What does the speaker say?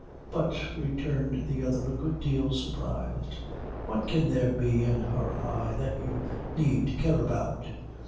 "But," returned the other, a good deal surprised, "what can there be in her eye that you need care about?